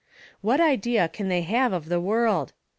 What idea can they have of the world?